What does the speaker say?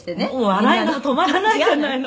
「笑いが止まらないじゃないの」